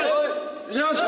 失礼します！